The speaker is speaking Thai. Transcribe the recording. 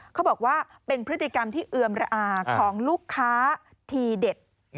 เขาบอกว่าเป็นพฤติกรรมที่เอือมระอาของลูกค้าทีเด็ด